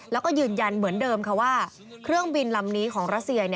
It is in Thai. แล้วก็ยืนยันเหมือนเดิมค่ะว่าเครื่องบินลำนี้ของรัสเซีย